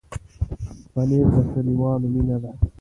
پنېر د کلیوالو مینه ده.